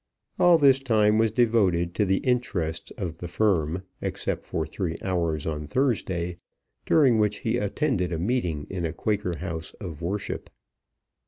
All this time was devoted to the interests of the firm, except for three hours on Thursday, during which he attended a meeting in a Quaker house of worship.